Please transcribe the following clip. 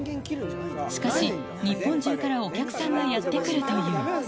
しかし、日本中からお客さんがやって来るという。